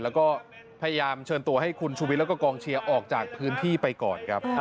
แล้วก็พยายามเชิญตัวให้คุณชูวิทย์แล้วก็กองเชียร์ออกจากพื้นที่ไปก่อนครับ